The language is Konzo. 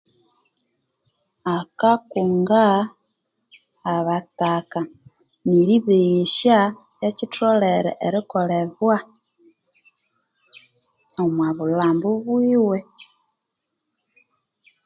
Akakunga abataka, neribeghesya ekyitholere erikolebwa omwa bulhambo bwiwe.